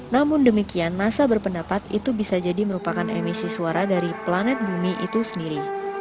namun demikian masa berpendapat itu bisa jadi merupakan emisi suara dari planet bumi itu sendiri